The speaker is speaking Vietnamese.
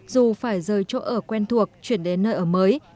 dù phải rời chỗ ở quen thuộc chuyển đến nơi ở mới